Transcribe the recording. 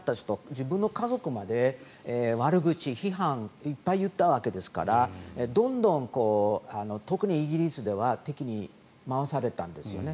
自分の家族まで悪口、批判をいっぱい言ったわけですからどんどん、特にイギリスでは敵に回されたんですね。